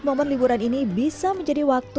momen liburan ini bisa menjadi waktu